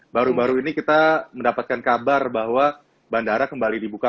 baru baru ini kita mendapatkan kabar bahwa bandara kembali dibuka